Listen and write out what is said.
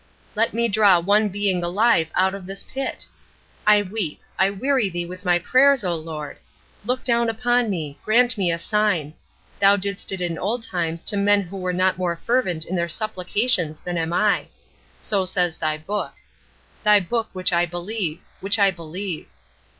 Let me draw one being alive out of this pit! I weep I weary Thee with my prayers, O Lord! Look down upon me. Grant me a sign. Thou didst it in old times to men who were not more fervent in their supplications than am I. So says Thy Book. Thy Book which I believe which I believe.